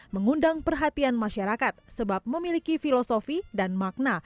mengundang perhatian masyarakat sebab memiliki filosofi dan makna